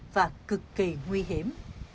và cực kỳ nguy hiểm